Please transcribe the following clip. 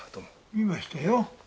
見ましたよ